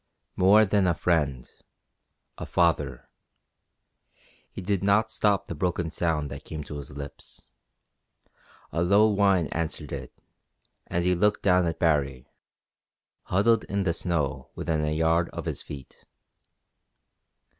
More than a friend; a father. He did not stop the broken sound that came to his lips. A low whine answered it, and he looked down at Baree, huddled in the snow within a yard of his feet.